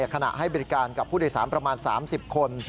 ขณะให้บริการกับผู้โดยสารประมาณ๓๐คน